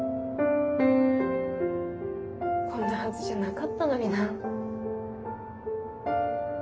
こんなはずじゃなかったのにな。